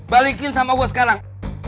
balikin sama gue sekarang